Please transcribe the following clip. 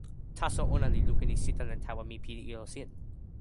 taso ona li lukin e sitelen tawa pi ijo sin.